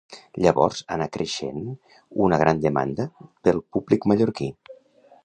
Llavors anar creixent una gran demanda pel públic mallorquí.